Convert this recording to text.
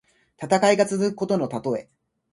戦いが続くことのたとえ。